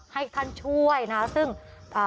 ให้ท่านช่วยนะคะ